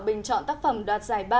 bình chọn tác phẩm đoạt giải ba